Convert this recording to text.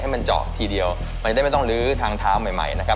มันเจาะทีเดียวมันได้ไม่ต้องลื้อทางเท้าใหม่ใหม่นะครับ